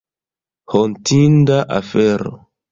Hontinda afero.